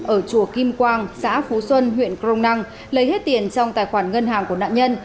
ở chùa kim quang xã phú xuân huyện crong năng lấy hết tiền trong tài khoản ngân hàng của nạn nhân